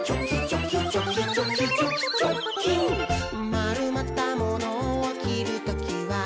「まるまったモノをきるときは、」